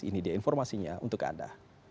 ini dia informasinya untuk anda